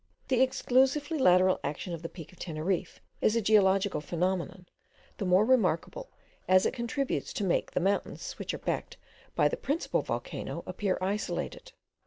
The exclusively lateral action of the peak of Teneriffe is a geological phenomenon, the more remarkable as it contributes to make the mountains which are backed by the principal volcano appear isolated.